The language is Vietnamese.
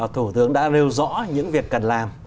thủ tướng đã rêu rõ những việc cần làm